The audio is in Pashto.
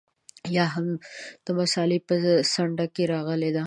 یا هم د مسألې په څنډه کې راغلې ده.